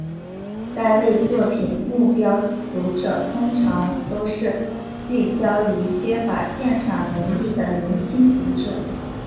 这类作品目标读者通常都是聚焦于缺乏鉴赏能力的年轻读者。